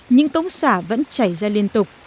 những cống xả vẫn chảy ra liên tục